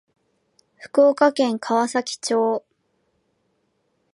福岡県川崎町